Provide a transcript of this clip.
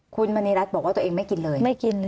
คุณมณีรัฐบอกว่าตัวเองไม่กินเลย